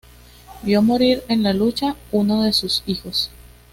Vio morir en la lucha uno de sus hijos.